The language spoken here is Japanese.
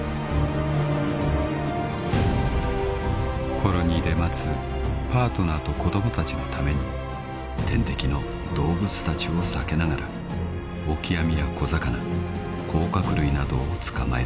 ［コロニーで待つパートナーと子供たちのために天敵の動物たちを避けながらオキアミや小魚甲殻類などを捕まえる］